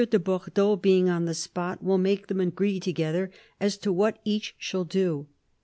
de Bordeaux, being on the spot, will make them agree together as to what each shall do.